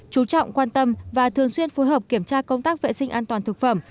chú trọng quan tâm và thường xuyên phối hợp kiểm tra công tác vệ sinh an toàn thực phẩm